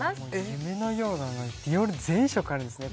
夢のようだなディオール全色あるんですね